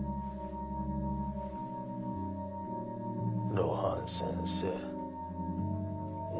露伴先生六